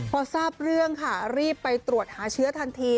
พอทราบเรื่องค่ะรีบไปตรวจหาเชื้อทันที